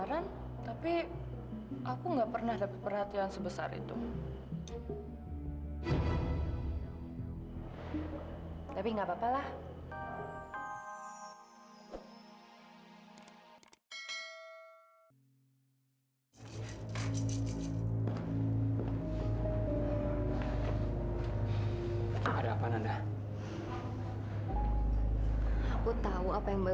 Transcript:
sampai jumpa di video selanjutnya